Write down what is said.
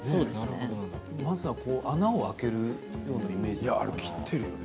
まずは穴を開けるようなイメージですね。